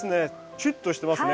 シュッとしてますね